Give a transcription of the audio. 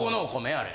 あれ。